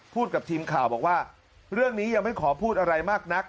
กับทีมข่าวบอกว่าเรื่องนี้ยังไม่ขอพูดอะไรมากนัก